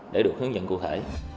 để được hướng dẫn cụ thể